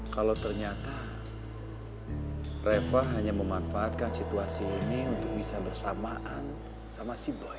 kalau ternyata reva hanya memanfaatkan situasi ini untuk bisa bersamaan sama si boen